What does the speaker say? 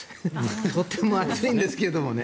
とても暑いんですけれどもね。